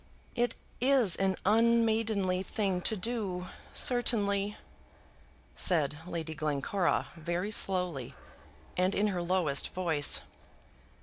"It is an unmaidenly thing to do, certainly," said Lady Glencora very slowly, and in her lowest voice.